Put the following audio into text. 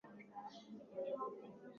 unaweza kuepuka gharama kubwa sana za maisha